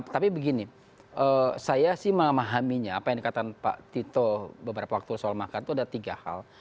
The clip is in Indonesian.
tapi begini saya sih memahaminya apa yang dikatakan pak tito beberapa waktu soal makar itu ada tiga hal